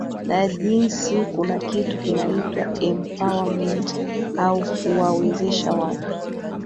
na jinsi kuna kitu kinaitwa empowerment au kuwawezesha watu